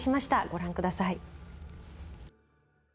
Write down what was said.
ご覧ください。